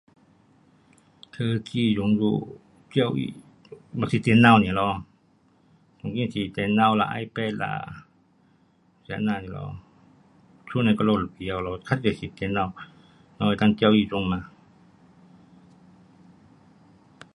科技融入教育，就是电脑 nia 咯。当今是电脑啦，ipad 啦，这啊呐的东西，剩的我们就甭晓了，较多是电脑啦。在教育中呐。